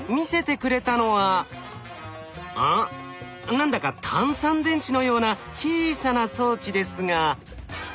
何だか単三電池のような小さな装置ですが。